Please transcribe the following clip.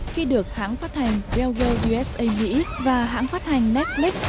khi được hãng phát hành wellgirl usa mỹ và hãng phát hành netflix